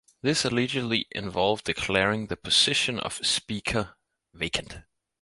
This allegedly involved declaring the position of Speaker vacant.